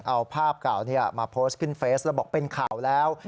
เอาภาพเก่ามาโพสต์ขึ้นเฟซแล้วบอกเป็นข่าวแล้ว